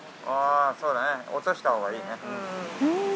そうね落としたほうがいいね。